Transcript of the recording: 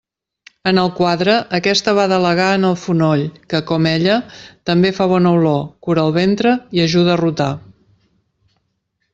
En el quadre aquesta va delegar en el fonoll, que, com ella, també fa bona olor, cura el ventre i ajuda a rotar.